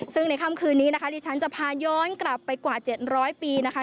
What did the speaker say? ซึ่งในค่ำคืนนี้นะคะดิฉันจะพาย้อนกลับไปกว่า๗๐๐ปีนะคะ